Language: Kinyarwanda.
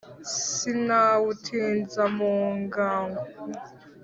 sinawutinza mu ngango